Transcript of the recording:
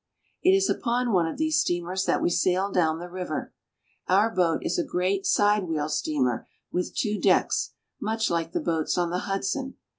It is upon one of these steamers that we sail down the river. Our boat is a* great side wheel steamer with two decks, much like the boats on the Hudson.